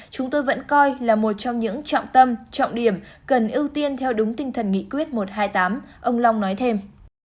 chúng tôi vẫn coi là một trong những trọng tâm trọng điểm cần ưu tiên theo đúng tinh thần nghị quyết một trăm hai mươi tám ông long nói thêm